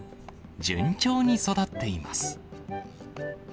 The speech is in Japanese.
順調に育っています。